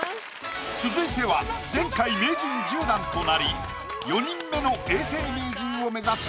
続いては前回名人１０段となり４人目の永世名人を目指す